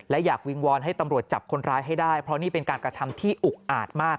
และอยากวิงวอนให้ตำรวจจับคนร้ายให้ได้เพราะนี่เป็นการกระทำที่อุกอาจมาก